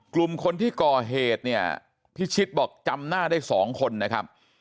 กลุ่มคนที่ก่อเหตุเนี่ยพิชิตบอกจำหน้าได้๒คนนะครับ